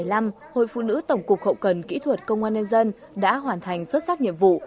năm hai nghìn một mươi năm hội phụ nữ tổng cục hậu cần kỹ thuật bộ công an nên dân đã hoàn thành xuất sắc nhiệm vụ